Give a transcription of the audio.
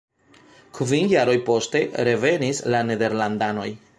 Kvin jaroj poste revenis la nederlandanoj.